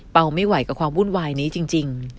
เป๋าไม่ไหวกับความบุญวายนี้จริง